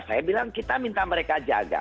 saya bilang kita minta mereka jaga